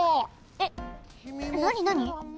えっなになに？